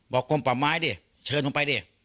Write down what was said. บอกกลมปลำไม้ดิเชิญผมไปเถอะ